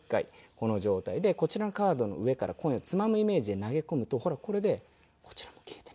この状態でこちらのカードの上からコインをつまむイメージで投げ込むとほらこれでこちらも消えて。